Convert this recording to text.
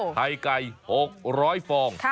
ไข่ไก่๖๐๐ฟอง